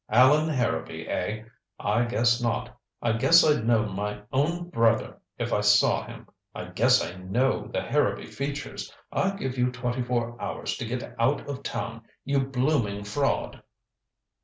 Allan Harrowby, eh? I guess not. I guess I'd know my own brother if I saw him. I guess I know the Harrowby features. I give you twenty four hours to get out of town you blooming fraud."